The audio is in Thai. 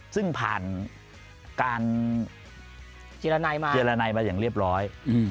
ซึ่งผ่านการเจรนัยมาอย่างเรียบร้อย